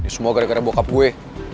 semua gara gara bokap gue